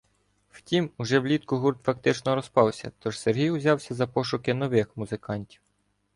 Втім, уже влітку гурт фактично розпався, тож Сергій узявся за пошуки нових музикантів.